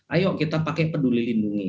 ayo kita pakai peduli lindungi